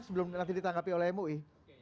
sebelum nanti ditangkapi oleh mui